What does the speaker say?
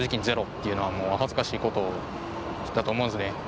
ゼロっていうのはもう恥ずかしいことだと思うんですね。